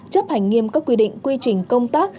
chấp hành nghiêm các quy định quy trình công tác